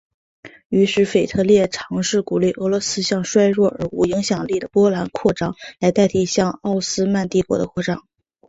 于是腓特烈尝试鼓励俄罗斯向衰弱而无影响力的波兰扩张来代替向奥斯曼帝国的扩张。